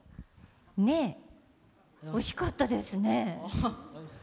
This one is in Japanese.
惜しかったですね。